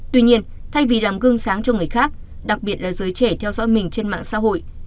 tuy nhiên thay vì làm gương sáng cho người khác đặc biệt là giới trẻ theo dõi mình trên mạng xã hội